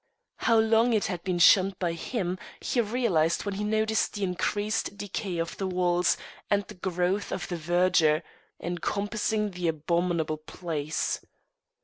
How long it had been shunned by him he realised when he noticed the increased decay of the walls and the growth of the verdure encompassing the abominable place!